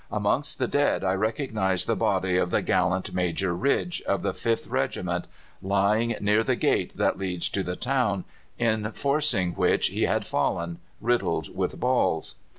Amongst the dead I recognized the body of the gallant Major Ridge, of the 5th Regiment, lying near the gate that leads to the town, in forcing which he had fallen, riddled with balls.